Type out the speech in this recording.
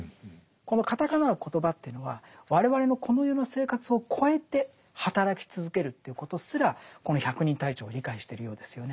このカタカナのコトバというのは我々のこの世の生活を超えて働き続けるということすらこの百人隊長は理解してるようですよね。